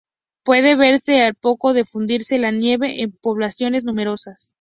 Puede verse al poco de fundirse la nieve en poblaciones numerosas.